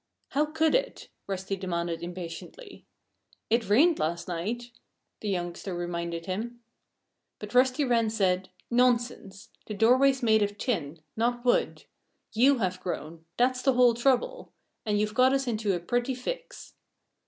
"How could it?" Rusty demanded impatiently. "It rained last night," the youngster reminded him. But Rusty Wren said, "Nonsense! The doorway's made of tin not wood. You have grown that's the whole trouble! And you've got us into a pretty fix."